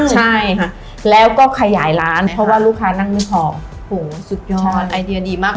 ใช่ค่ะแล้วก็ขยายร้านเพราะว่าลูกค้านั่งไม่พอโหสุดยอดไอเดียดีมาก